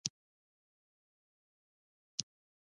د میرمنو کار او تعلیم مهم دی ځکه چې ښځو باور زیاتولو مرسته ده.